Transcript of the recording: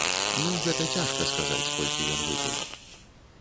Ну, гэта цяжка сказаць, колькі ён выпіў.